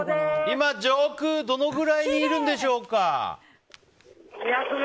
今、上空どれくらいにいるんでしょうか？